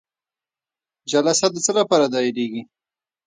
جلسه د څه لپاره دایریږي؟